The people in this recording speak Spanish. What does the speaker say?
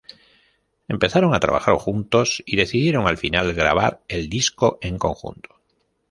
Empezaron a trabajar juntos y decidieron, al final, grabar el disco en conjunto.